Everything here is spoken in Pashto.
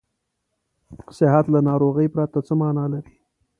صحت له ناروغۍ پرته څه معنا لري.